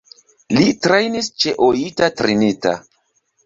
Li trejnis ĉe Oita Trinita.